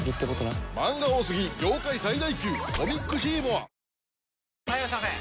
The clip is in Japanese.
・はいいらっしゃいませ！